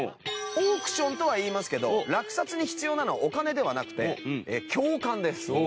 オークションとはいいますけど落札に必要なのはお金ではなくて共感です。